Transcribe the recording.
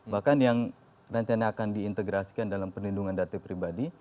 bahkan yang nanti akan diintegrasikan dalam penindungan data pribadi